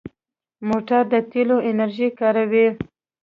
موټر د تېلو انرژي کاروي.